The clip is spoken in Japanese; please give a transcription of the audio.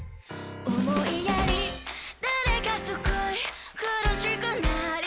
思いやり誰か救い苦しくなり